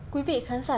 quý vị khán giả